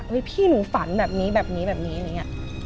เฮ้ยพี่หนูฝันแบบนี้แบบนี้แบบนี้